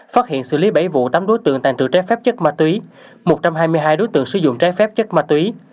phát hiện xử lý bảy vụ tám đối tượng tàn trự trái phép chất ma túy một trăm hai mươi hai đối tượng sử dụng trái phép chất ma túy